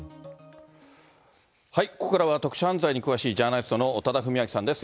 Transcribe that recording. ここからは特殊犯罪に詳しいジャーナリストの多田文明さんです。